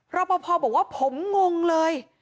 รบพฟังบอกว่าผมงงเลย